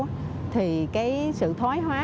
càng lâu thì cái sự thói hóa